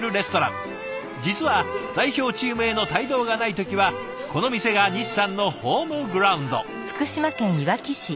実は代表チームへの帯同がない時はこの店が西さんのホームグラウンド。